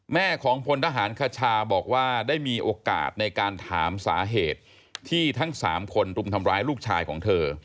แม่ของพลทหารคชาบอกว่าได้มีโอกาสในการถามสาเหตุที่ทั้ง๓คนรุมทำร้ายลูกชายของเธอ